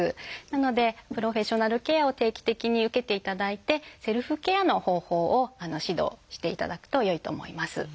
なのでプロフェッショナルケアを定期的に受けていただいてセルフケアの方法を指導していただくとよいと思います。